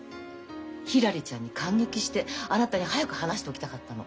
ひらりちゃんに感激してあなたに早く話しておきたかったの。